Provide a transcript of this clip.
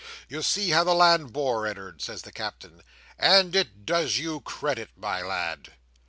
You see how the land bore, Ed'ard," says the Captain, "and it does you credit, my lad."